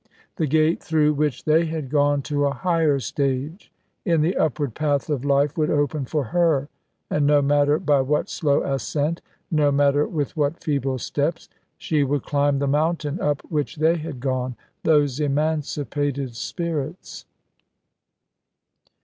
The gate through which they had gone to a higher stage in the upward path of life would open for her; and no matter by what slow ascent, no matter with what feeble steps, she would climb the mountain up which they had gone, those emancipated spirits.